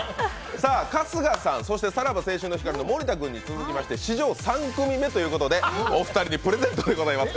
春日さん、さらば青春の光の森田君に続いて史上３組目ということで、お二人にプレゼントでございます。